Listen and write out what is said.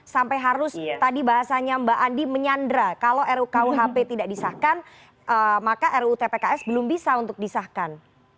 sampai harus tadi bahasanya mbak andi menyandra kalau rukuhp tidak disahkan maka rutpks belum bisa untuk disahkan